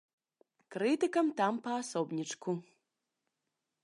Крытыкам там па асобнічку.